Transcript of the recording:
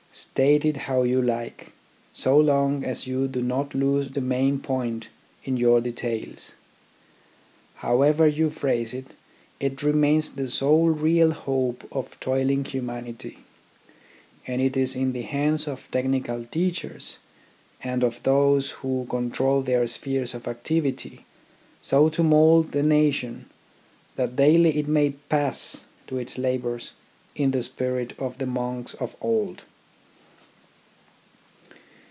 State it how you like, so long as you do not lose the main point in your details. However you phrase it, it remains the sole real hope of toiling humanity ; and it is in the hands of technical teachers, and of those who control their spheres of activity, so to mould the nation that daily it may pass to its labours in the spirit of the monks of old.